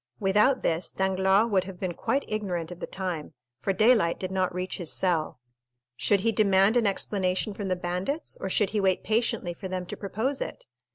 Without this, Danglars would have been quite ignorant of the time, for daylight did not reach his cell. Should he demand an explanation from the bandits, or should he wait patiently for them to propose it?